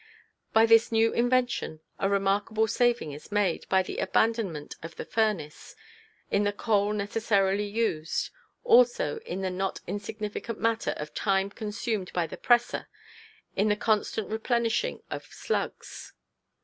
By this new invention a remarkable saving is made, by the abandonment of the furnace, in the coal necessarily used, also in the not insignificant matter of time consumed by the presser in the constant replenishing of "slugs."